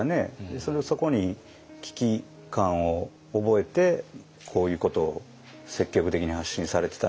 それをそこに危機感を覚えてこういうことを積極的に発信されてたのかもしれないですね。